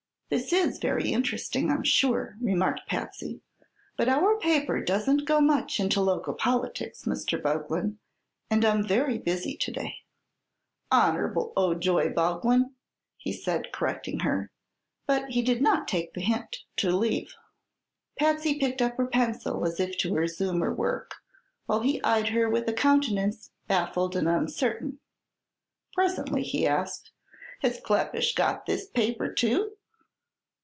"This is very interesting, I'm sure," remarked Patsy; "but our paper doesn't go much into local politics, Mr. Boglin, and I'm very busy to day." "Honer'ble Ojoy Boglin," he said, correcting her; but he did not take the hint to leave. Patsy picked up her pencil as if to resume her work, while he eyed her with a countenance baffled and uncertain. Presently he asked: "Has Kleppish got this paper too?"